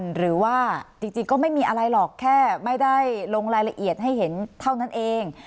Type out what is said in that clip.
หรือว่าจริงก็ไม่มีอะไรหรอกแค่ไม่ได้ลงรายละเอียดให้เห็นเท่านั้นเอง